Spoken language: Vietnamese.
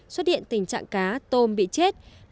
xuất hiện tình trạng cá tôm bị chết